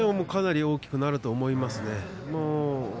かなり大きくなると思います。